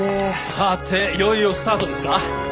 さていよいよスタートですか。